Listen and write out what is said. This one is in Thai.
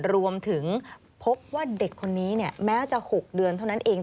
รวมถึงพบว่าเด็กคนนี้แม้จะ๖เดือนเท่านั้นเอง